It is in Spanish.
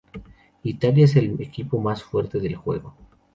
Italia es el equipo más fuerte del juego.